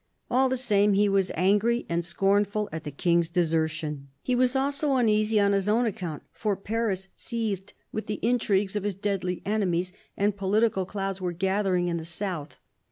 All the same, he was angry and scornful at the King's desertion. He was also uneasy on his own account, for Paris seethed with the intrigues of his deadly enemies, and political clouds were gathering in the south.